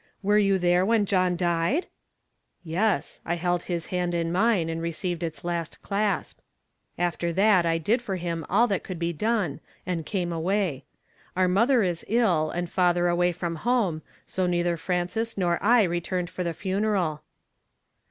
Were you there when John died ?"" Yes ; I held his hand in mine, and received its last clasp. After that I did for him all that could be done, and came away. Our mother is ill, and father away from home, so neither Frances nor I returned for the funeral."